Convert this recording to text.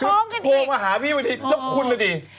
อยู่ด้วยกันพร้อมกันดิโทรมาหาพี่มาดิแล้วคุณล่ะดิอ๋อ